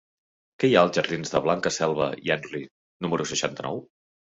Què hi ha als jardins de Blanca Selva i Henry número seixanta-nou?